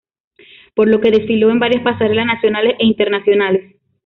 Por lo que desfiló en varias pasarelas nacionales e internacionales.